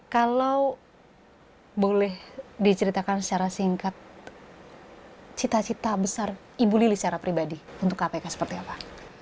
kalau boleh diceritakan secara singkat cita cita besar ibu lili secara pribadi untuk kpk seperti apa